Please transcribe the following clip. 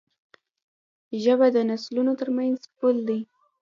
ژبه د نسلونو ترمنځ پُل دی.